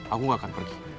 aku gak akan pergi